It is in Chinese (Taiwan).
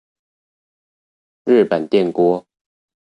日本電鍋